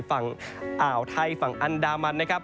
ฝั่งอ่าวไทยฝั่งอันดามันนะครับ